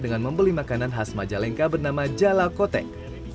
saya mau beli makanan khas majalengka bernama jalakotek